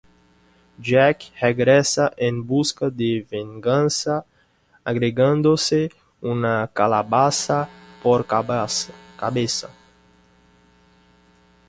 Jack regresa en busca de venganza agregándose una calabaza por cabeza.